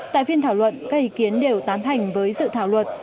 tại phiên thảo luận các ý kiến đều tán thành với dự thảo luật